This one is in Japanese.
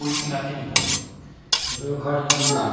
俺が代わりに打ってやるよ。